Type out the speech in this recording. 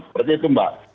seperti itu mbak